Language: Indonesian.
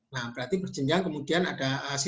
nah berarti berjenjang kemudian ada siswa juga harus di swab